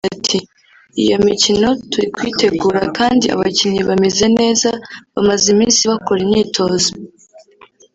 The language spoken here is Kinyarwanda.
Aganira na Kigali Today yagize ati ”Iyo mikino turi kuyitegura kandi abakinnyi bameze neza bamaze iminsi bakora imyitozo